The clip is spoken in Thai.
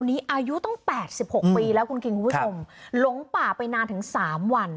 วันนี้อายุต้อง๘๖ปีแล้วคุณกิงพุทธมหลงป่าไปนานถึง๓วัน